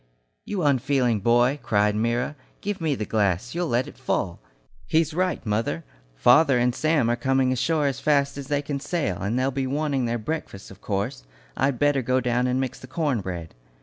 "You unfeeling boy!" cried Myra, "give me the glass you'll let it fall. He's right, mother, father and Sam are coming ashore as fast as they can sail, and they'll be wanting their breakfasts, of course. I'd better go down and mix the corn bread."